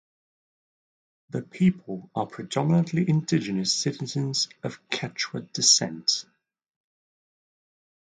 The people are predominantly indigenous citizens of Quechua descent.